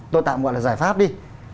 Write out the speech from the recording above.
tôi tạm gọi là giải pháp đi